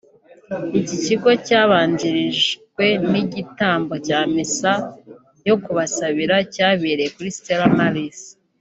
Iki gikorwa cyabanjirijwe n’igitambo cya misa yo kubasabira cyabereye kuri Stella Maris